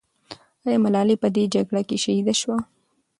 آیا ملالۍ په دې جګړه کې شهیده سوه؟